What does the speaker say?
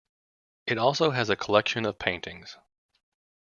It also has a collection of paintings.